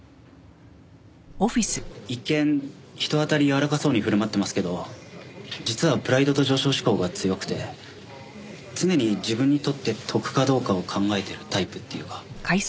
一見人当たり柔らかそうに振る舞ってますけど実はプライドと上昇志向が強くて常に自分にとって得かどうかを考えてるタイプっていうか。